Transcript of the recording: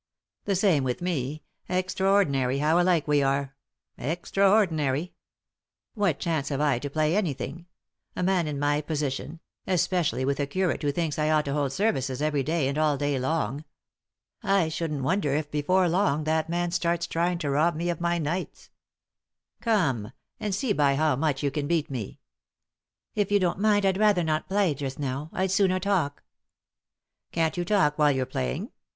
" The same with me— extraordinary, how alike we are — extraordinary I What chance have I to play anything ?— a man in my position 1 — especially with a curate who thinks I ought to hold services every day and all day long. I shouldn't wonder if, before long, that man starts trying to rob me of my nights 1 Come — and see by how much you can beat me." 207 3i 9 iii^d by Google THE INTERRUPTED KISS " If you don't mind I'd rather not play just now ; I'd sooner talk." "Can't you talk while you're playing?"